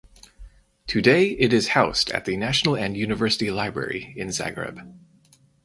Today it is housed at the National and University Library in Zagreb.